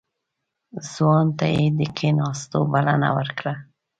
ځوان ته يې د کېناستو بلنه ورکړه.